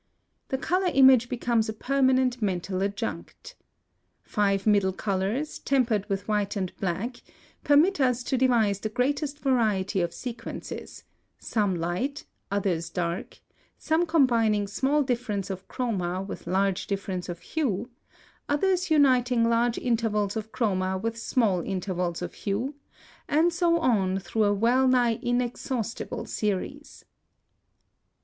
The color image becomes a permanent mental adjunct. Five middle colors, tempered with white and black, permit us to devise the greatest variety of sequences, some light, others dark, some combining small difference of chroma with large difference of hue, others uniting large intervals of chroma with small intervals of hue, and so on through a well nigh inexhaustible series.